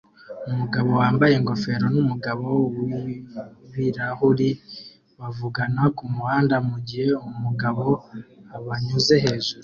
Umugabo wambaye ingofero numugabo w ibirahuri bavugana kumuhanda mugihe umugabo abanyuze hejuru